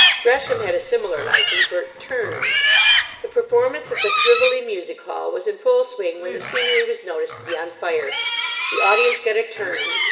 Gresham had a similar liking for "turns." "The performance at the Frivoli Music Hall was in full swing when the scenery was noticed to be on fire. The audience got a turn.